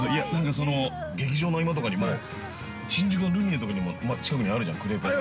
◆劇場の合間とかにも新宿のルミネとかにも近くにあるじゃん、クレープの。